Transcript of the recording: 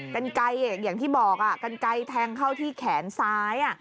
กันไกลอย่างที่บอกกันไกลแทงเข้าที่แขนซ้าย